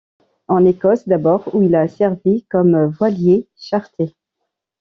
En Écosse d'abord, où il a servi comme voilier-charter.